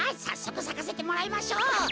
さっそくさかせてもらいましょう！